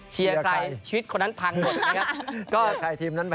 เชียร์ใครชีวิตคนนั้นพังหมดนะครับ